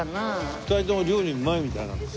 ２人とも料理うまいみたいなんです。